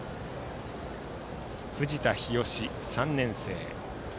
藤田一秀、３年生。